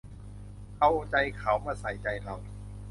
เอาใจเขามาใส่ใจเรา